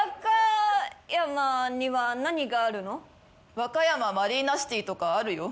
和歌山マリーナシティとかあるよ。